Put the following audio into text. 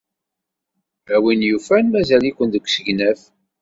A win yufan, mazal-iken deg usegnaf.